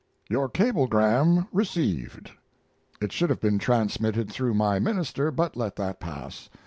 Your cablegram received. It should have been transmitted through my minister, but let that pass.